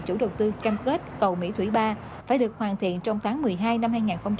chủ đầu tư cam kết cầu mỹ thủy ba phải được hoàn thiện trong tháng một mươi hai năm hai nghìn hai mươi